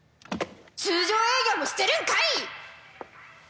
通常営業もしてるんかい！